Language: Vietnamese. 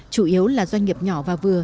chủ yếu là doanh nghiệp nhỏ và vừa